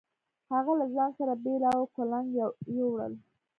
هغه له ځان سره بېل او کُلنګ يو وړل.